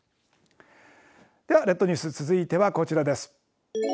では列島ニュース、続いてはこちらです。